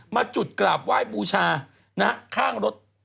มาจุดกราบไหว้บูชาข้างรถ